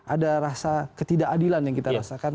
ada rasa ketidakadilan yang kita rasakan